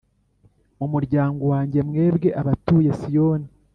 Muryango wanjye, mwebwe abatuye Siyoni,